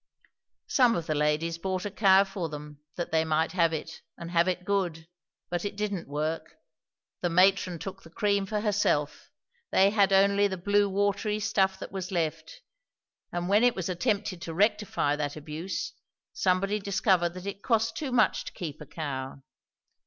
"Some of the ladies bought a cow for them, that they might have it and have it good; but it didn't work. The matron took the cream for herself; they had only the blue watery stuff that was left; and when it was attempted to rectify that abuse, somebody discovered that it cost too much to keep a cow."